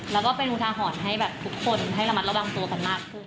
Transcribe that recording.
แล้วก็เป็นอุทาหรณ์ให้แบบทุกคนให้ระมัดระวังตัวกันมากขึ้น